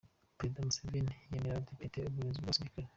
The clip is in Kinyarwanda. Perezida Museveni yemereye abadepite uburinzi bw’abasirikare.